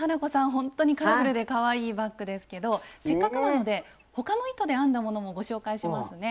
ほんとにカラフルでかわいいバッグですけどせっかくなので他の糸で編んだものもご紹介しますね。